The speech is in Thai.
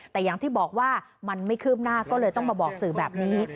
แต่อย่างที่บอกว่ามันไม่คืบหน้าก็เลยต้องมาบอกสื่อแบบนี้